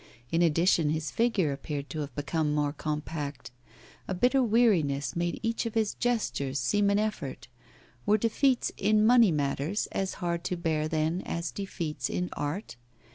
In addition, his figure appeared to have become more compact; a bitter weariness made each of his gestures seem an effort. Were defeats in money matters as hard to bear, then, as defeats in art?